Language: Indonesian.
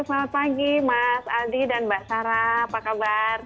selamat pagi mas aldi dan mbak sarah apa kabar